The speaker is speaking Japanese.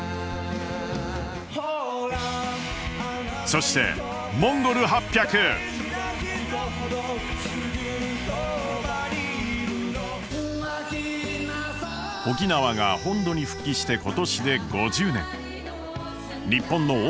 そして沖縄が本土に復帰して今年で５０年。